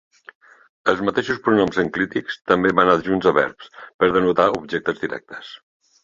Els mateixos pronoms enclítics també van adjunts a verbs per denotar objectes directes.